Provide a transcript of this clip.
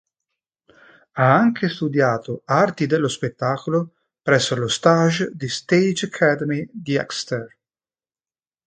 Ha anche studiato arti dello spettacolo presso lo Stage di Stage Academy di Exeter.